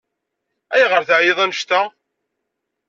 Ayɣer teɛyiḍ annect-a?